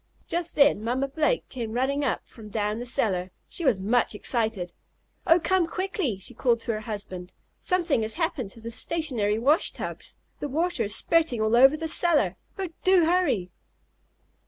Just then Mamma Blake came running up from down the cellar. She was much excited. "Oh, come quickly!" she called to her husband. "Something has happened to the stationary wash tubs. The water is spurting all over the cellar. Oh, do hurry!"